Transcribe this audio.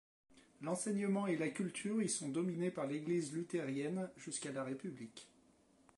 L'enseignement et la culture y sont dominés par l'Église luthérienne jusqu'à la République.